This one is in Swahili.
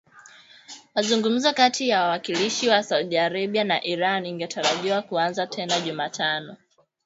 mazungumzo kati ya wawakilishi wa Saudi Arabia na Iran ingetarajiwa kuanza tena Jumatano